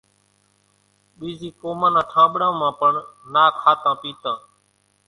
ٻيزِي قومان نان ٺانٻڙان مان پڻ نا کاتان پيتان۔